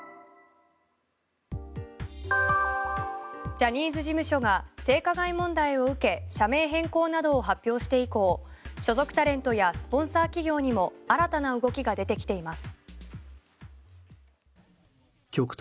ジャニーズ事務所が性加害問題を受け社名変更などを発表して以降所属タレントやスポンサー企業にも新たな動きが出てきています。